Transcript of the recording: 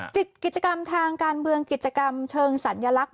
กิจกรรมทางการเมืองกิจกรรมเชิงสัญลักษณ์